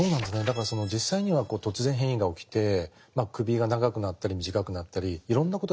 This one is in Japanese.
だからその実際には突然変異が起きて首が長くなったり短くなったりいろんなことが起きるわけですよね。